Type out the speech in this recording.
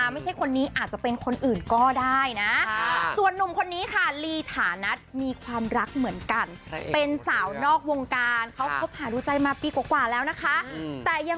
มันเลยเหมือนเจ็บหนักมากเลย